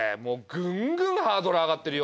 グングンハードル上がってるよ？